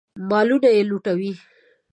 مالونه یې لوټوي.